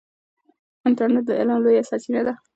انټرنیټ د علم لویه سرچینه ده.